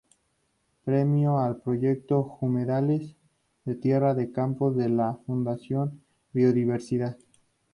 Premio al Proyecto Humedales de Tierra de Campos de la Fundación Biodiversidad.